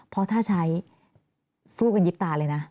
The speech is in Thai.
เพราะถ้าใช้สู้กันยิบตาเลยนะ